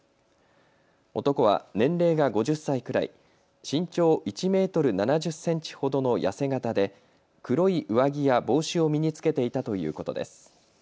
男は年齢が５０歳くらい、身長１メートル７０センチほどの痩せ型で黒い上着や帽子を身に着けていたということです。